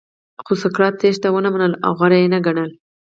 خو سقراط تېښته ونه منله او غوره یې نه ګڼله.